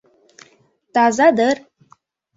— Таза дыр.